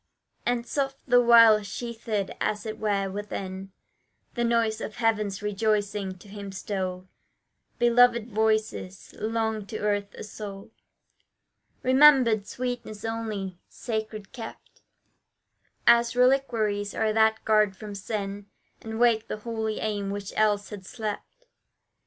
And soft the while, sheathed, as it were, within The noise of heaven's rejoicing, to him stole Beloved voices, long to earth a sole Remembered sweetness only; sacred kept As reliquaries are that guard from sin, And wake the holy aim which else had slept.